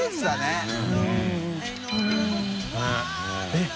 えっ！